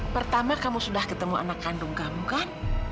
pertama kamu sudah ketemu anak kandung kamu kan